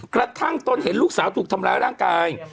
กระทั่งต้นเห็นลูกสาวถูกทำร้ายร่างกาย